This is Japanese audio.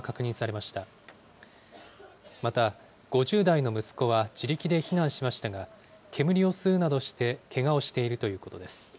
また、５０代の息子は自力で避難しましたが、煙を吸うなどしてけがをしているということです。